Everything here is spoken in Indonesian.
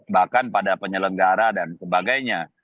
bahkan pada penyelenggara dan sebagainya